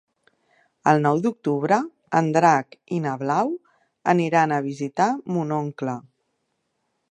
El nou d'octubre en Drac i na Blau aniran a visitar mon oncle.